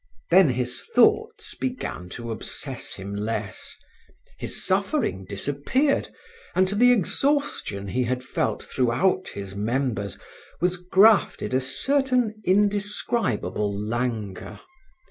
Then his thoughts began to obsess him less; his suffering disappeared and to the exhaustion he had felt throughout his members was grafted a certain indescribable languor.